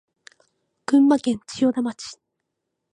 群馬県千代田町